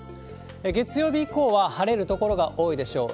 月曜日以降は晴れる所が多いでしょう。